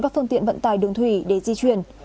các phương tiện vận tải đường thủy để di chuyển